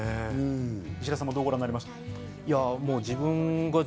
石田さん、どうご覧になりました？